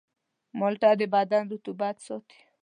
مالټه د بدن رطوبت ساتي.